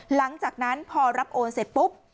หลังจากนั้นพอรับโอนเสร็จปุ๊บ